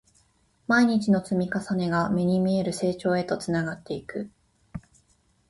毎日の積み重ねが、目に見える成長へとつながっていく